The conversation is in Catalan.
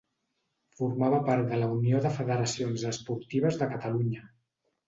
Formava part de la Unió de Federacions Esportives de Catalunya.